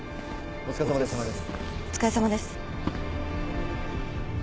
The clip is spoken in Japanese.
お疲れさまです。